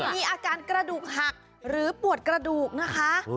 มีอาการกระดูกหักหรือปวดกระดูกนะคะ